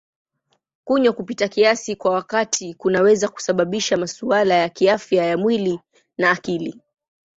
Kunywa kupita kiasi kwa wakati kunaweza kusababisha masuala ya kiafya ya mwili na akili.